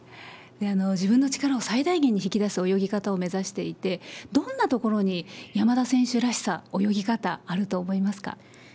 自分の力を最大限に引き出す泳ぎ方を目指していて、どんなところに、山田選手らしさ、泳ぎ方、あると思いますか？